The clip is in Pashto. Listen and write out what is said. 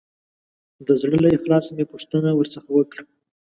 د زړه له اخلاصه مې پوښتنه ورڅخه وکړه.